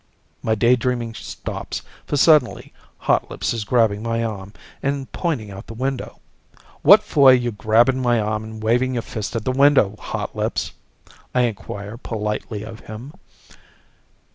My daydreaming stops, for suddenly Hotlips is grabbing my arm and pointing out the window. "What for are you grabbing my arm and waving your fist at the window, Hotlips?" I inquire politely of him.